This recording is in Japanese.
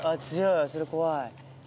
それ怖い。